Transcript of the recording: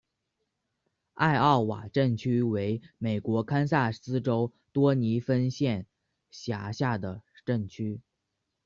艾奥瓦镇区为美国堪萨斯州多尼芬县辖下的镇区。